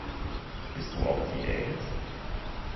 Bist du auf Diät?